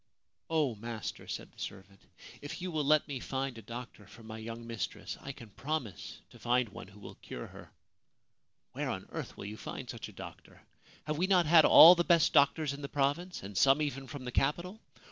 ' Oh, master,' said the servant, ' if you will let me find a doctor for my young mistress, I can promise to find one who will cure her/ ' Where on earth will you find such a doctor ? Have we not had all the best doctors in the province and some even from the capital